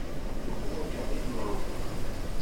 Uḥwaǧeɣ imru.